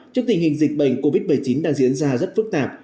trước tình hình dịch bệnh covid một mươi chín đang diễn ra rất phức tạp